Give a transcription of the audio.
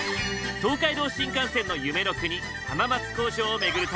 東海道新幹線の夢の国浜松工場を巡る旅。